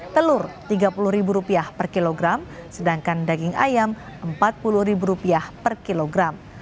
telur rp tiga puluh per kilogram sedangkan daging ayam rp empat puluh per kilogram